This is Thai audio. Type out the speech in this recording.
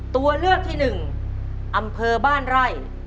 ตัวเลือกที่หนึ่งอำเภอบ้านไร่